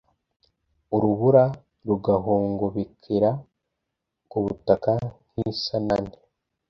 urubura rugahongobokera ku butaka nk'isanane